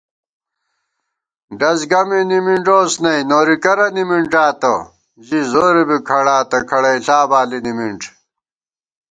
ڈَز گمےنِمِنݮوس نئی، نوری کرہ نِمِنݮاتہ * ژِی زورےبی کھڑاتہ، کھڑَئیݪا بالی نِمِنݮ